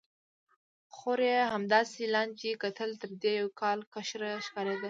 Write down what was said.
خور یې همداسې لاندې کتل، تر دې یو کال کشره ښکارېده.